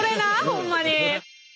ほんまに！